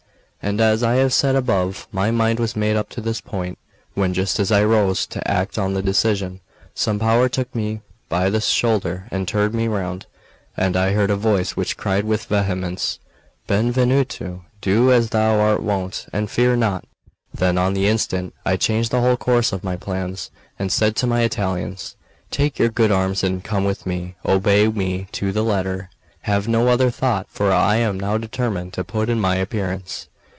And as I have said above, my mind was made up to this point; when, just as I rose to act on the decision, some power took me by the shoulder and turned me round, and I heard a voice which cried with vehemence: "Benvenuto, do as thou art wont, and fear not!" Then, on the instant, I changed the whole course of my plans, and said to my Italians: "Take your good arms and come with me; obey me to the letter; have no other thought, for I am now determined to put in my appearance.